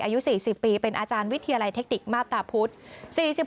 อายุ๔๐ปีเป็นอาจารย์วิทยาลัยเทคนิคมาบตาพุธ